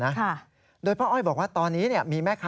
ฮ่าฮ่าฮ่าฮ่าฮ่า